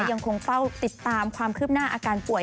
ยังคงเฝ้าติดตามความคืบหน้าอาการป่วย